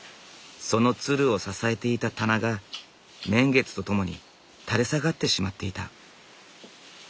そのつるを支えていた棚が年月とともに垂れ下がってしまっていた。